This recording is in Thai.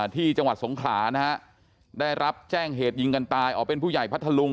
ที่จังหวัดสงขลานะฮะได้รับแจ้งเหตุยิงกันตายอ๋อเป็นผู้ใหญ่พัทธลุง